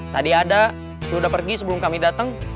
tadi ada sudah pergi sebelum kami datang